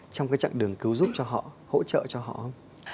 trong cái chặng đường cứu giúp cho họ hỗ trợ cho họ không